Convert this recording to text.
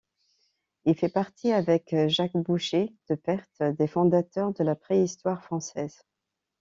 Il fait partie avec Jacques Boucher de Perthes des fondateurs de la préhistoire française.